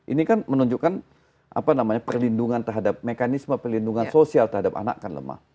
ini kan menunjukkan perlindungan terhadap mekanisme perlindungan sosial terhadap anak kan lemah